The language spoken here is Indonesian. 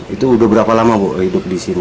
itu udah berapa lama bu hidup disini